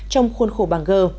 trong khuôn khổ bằng g